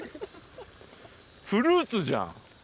フルーツじゃん！